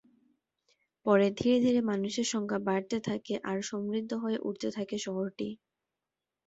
পরে ধীরে ধীরে মানুষের সংখ্যা বাড়তে থাকে আর সমৃদ্ধ হয়ে উঠতে থাকে শহরটি।